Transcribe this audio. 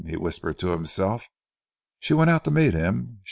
he whispered to himself. "She went out to meet him.